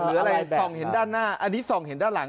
หรืออะไรส่องเห็นด้านหน้าอันนี้ส่องเห็นด้านหลัง